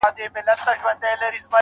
زۀ اوس د مینې اظهار چاته په قران نۀ کؤوم